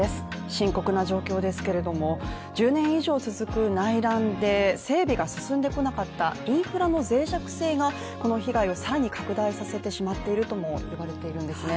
深刻な状況ですけれども、１０年以上続く内乱で整備が進んでこなかったインフラのぜい弱性がこの被害を更に拡大させてしまっているともいわれているんですね。